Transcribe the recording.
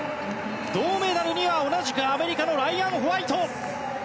銅メダルには同じくアメリカのライアン・ホワイト。